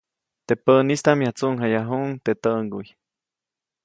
Teʼ päʼnistaʼm, yajktsuʼŋjayajuʼuŋ teʼ täʼŋguy.